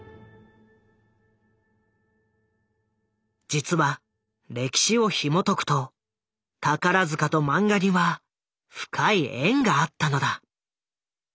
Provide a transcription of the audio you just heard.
実は歴史をひもとくと宝塚とマンガには深い縁があったのだ。